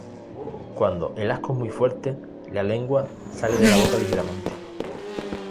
Cuando el asco es muy fuerte, la lengua sale de la boca ligeramente.